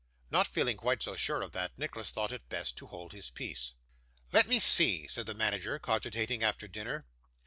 Not feeling quite so sure of that, Nicholas thought it best to hold his peace. 'Let me see,' said the manager cogitating after dinner.